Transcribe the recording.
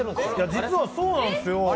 実はそうなんですよ。